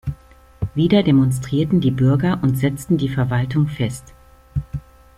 Wieder demonstrierten die Bürger und setzten die Verwaltung fest.